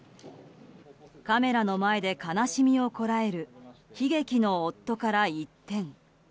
カメラの前で悲しみをこらえる悲劇の夫から一転。